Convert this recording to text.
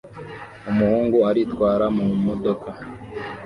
Umuhungu aritwara mu modoka